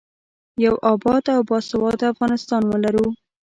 یو اباد او باسواده افغانستان ولرو.